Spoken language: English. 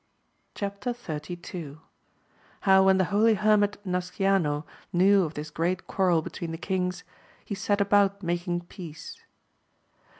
Chap. XXXII. — How when the holy hermit Nasciano knew of this great quarrel between the kings, he set about making peace.